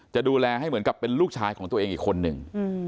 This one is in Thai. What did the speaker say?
จะดูแลให้เหมือนกับเป็นลูกชายของตัวเองอีกคนหนึ่ง